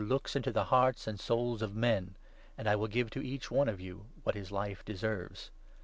looks into the hearts and souls of men '; and I will give to each one of you what his life deserves.